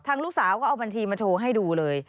ลูกสาวก็เอาบัญชีมาโชว์ให้ดูเลย